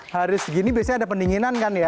hari segini biasanya ada pendinginan kan ya